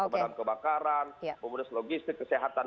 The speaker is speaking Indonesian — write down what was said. pemeran kebakaran pemudus logistik kesehatan